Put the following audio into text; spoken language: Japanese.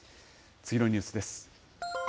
次のニュースです。